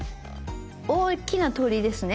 大きな鳥居ですね。